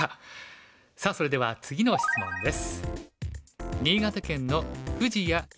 さあそれでは次の質問です。